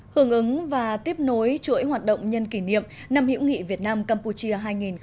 hưởng ứng và tiếp nối chuỗi hoạt động nhân kỷ niệm năm hữu nghị việt nam campuchia hai nghìn một mươi chín